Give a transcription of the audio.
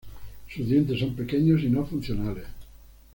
Sus dientes son pequeños y no funcionales.